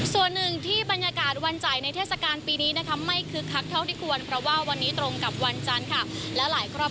ส่วนหนึ่งที่บรรยากาศวันใจในเทศกาลปีนี้นะคะ